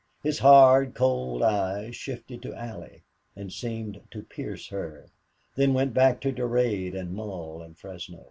His hard, cold eyes shifted to Allie and seemed to pierce her, then went back to Durade and Mull and Fresno.